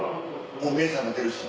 もう目覚めてるし。